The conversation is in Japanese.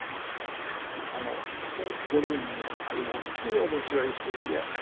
あのボリュームもありますし面白いし。